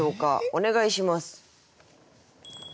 お願いします。